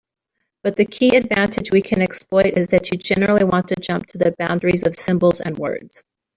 But the key advantage we can exploit is that you generally want to jump to the boundaries of symbols and words.